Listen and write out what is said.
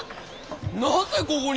なぜここに？